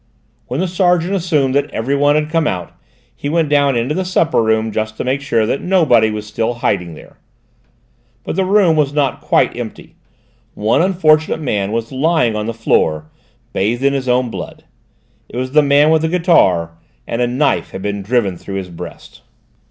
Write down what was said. When the sergeant assumed that every one had come out, he went down into the supper room, just to make sure that nobody was still hiding there. But the room was not quite empty. One unfortunate man was lying on the floor, bathed in his own blood. It was the man with the guitar, and a knife had been driven through his breast!